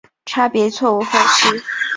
差别错误分析。